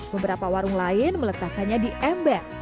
beberapa warung lain meletakkannya di ember